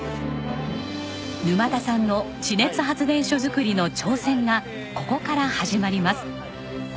沼田さんの地熱発電所造りの挑戦がここから始まります。